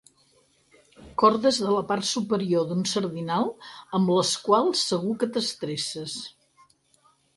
Cordes de la part superior d'un sardinal, amb les quals segur que t'estresses.